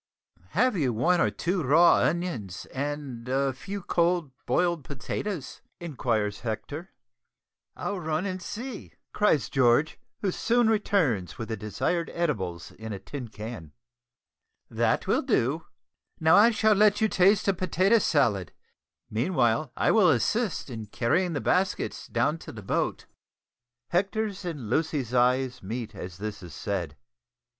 "Have you one or two raw onions and a few cold boiled potatoes?" inquires Hector. "I'll run and see," cries George, who soon returns with the desired edibles in a tin can. "That will do. Now I shall let you taste a potato salad; meanwhile I will assist in carrying the baskets down to the boat." Hector's and Lucy's eyes meet as this is said.